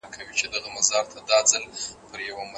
که مشوره واخېستل سي نو پښیماني نه راځي.